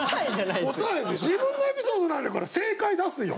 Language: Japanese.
自分のエピソードなんだから正解出すよ。